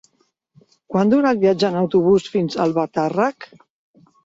Quant dura el viatge en autobús fins a Albatàrrec?